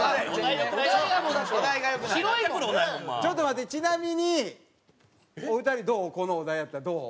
ちょっと待ってちなみにお二人どう？